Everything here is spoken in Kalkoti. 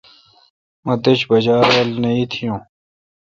مہ دݭ بجہ رول نہ اتھی یوں۔